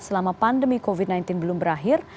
selama pandemi covid sembilan belas belum berakhir